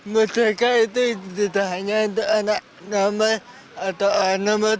merdeka itu tidak hanya untuk anak nama atau anak